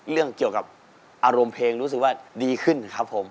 เรื่องเกี่ยวกับอารมณ์เพลงรู้สึกว่าดีขึ้นครับผม